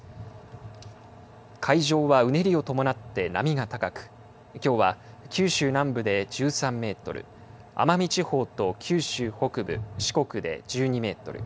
海上はうねりを伴って波が高くきょうは九州南部で１３メートル奄美地方と九州北部四国で１２メートル